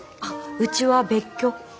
うちも別居。